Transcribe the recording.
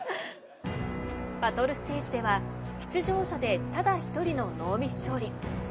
バトルステージでは出場者でただ１人のノーミス勝利。